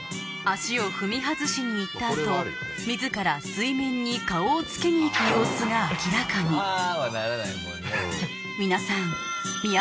足を踏み外しにいったあと自ら水面に顔をつけにいく様子が明らかにああはならないもんね。